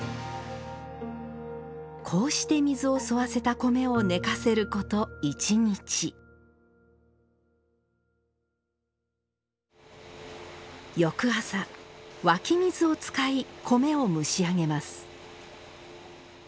こうして水を吸わせた米を寝かせること１日翌朝湧き水を使い米を蒸し上げます